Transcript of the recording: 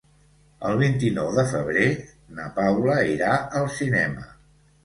El vint-i-nou de febrer na Paula irà al cinema.